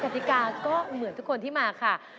กติกาก็เหมือนทุกคนที่มาค่ะ